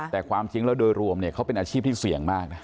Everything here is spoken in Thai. แต่ความจริงแล้วโดยรวมเขาเป็นอาชีพที่เสี่ยงมากนะ